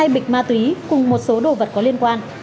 hai bịch ma túy cùng một số đồ vật có liên quan